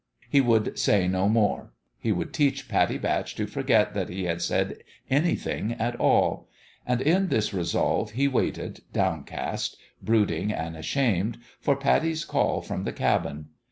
He would say no more : he would teach Pattie Batch to forget that he had said anything at all ; and in this resolve he waited, downcast, brooding and ashamed, for Pattie's call from the cabin.